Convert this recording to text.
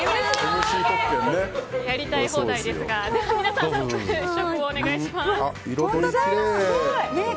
やりたい放題ですが皆さん、早速試食をお願いします。